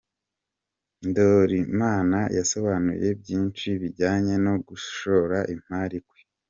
com Ndolimana yasobanuye byinshi bijyanye no gushora imari kwe.